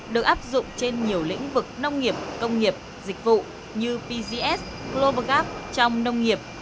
được áp dụng trên nhiều lĩnh vực nông nghiệp công nghiệp dịch vụ như pcs global gap trong nông nghiệp